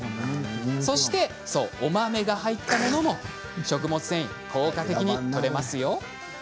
さらに、お豆が入ったものも食物繊維が効果的にとれます。